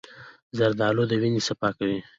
زردالو د وینې صفا کوي.